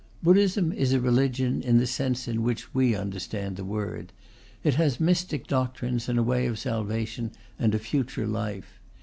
Buddhism is a religion in the sense in which we understand the word. It has mystic doctrines and a way of salvation and a future life.